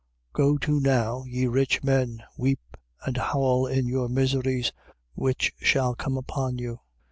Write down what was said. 5:1. Go to now, ye rich men: weep and howl in your miseries, which shall come upon you.